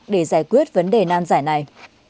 để giải quyết vấn đề nan giải này